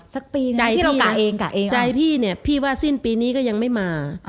สักปีหนึ่งใจพี่เนี่ยพี่ว่าสิ้นปีนี้ก็ยังไม่มา